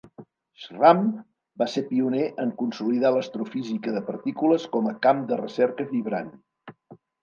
Schramm va ser pioner en consolidar l'astrofísica de partícules com a camp de recerca vibrant.